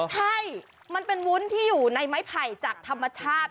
ใช่มันเป็นวุ้นที่อยู่ในไม้ไผ่จากธรรมชาติ